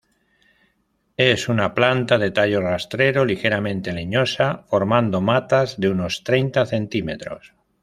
Es una planta de tallo rastrero ligeramente leñosa, formando matas de unos treinta centímetros.